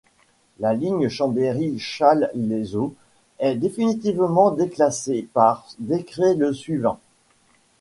La ligne Chambéry-Challes-les-Eaux est définitivement déclassée par décret le suivant.